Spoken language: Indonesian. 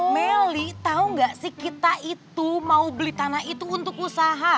melly tahu nggak sih kita itu mau beli tanah itu untuk usaha